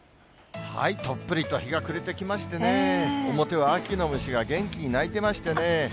どっぷりと日が暮れてきましてね、表は秋の虫が元気に鳴いてましてね。